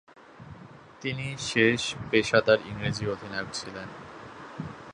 তিনি শেষ পেশাদার ইংরেজ অধিনায়ক ছিলেন।